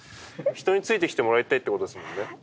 人についてきてもらいたいってことですもんね？